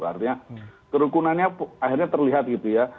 artinya kerukunannya akhirnya terlihat gitu ya